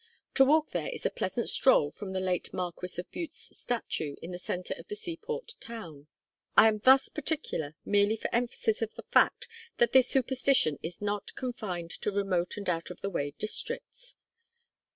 To walk there is a pleasant stroll from the late Marquis of Bute's statue in the centre of the seaport town. I am thus particular merely for emphasis of the fact that this superstition is not confined to remote and out of the way districts.